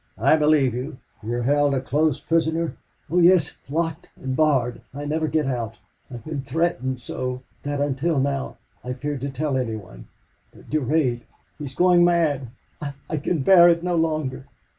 I believe you... You are held a close prisoner?" "Oh yes locked and barred. I never get out. I have been threatened so that until now I feared to tell anyone. But Durade he is going mad. I I can bear it no longer."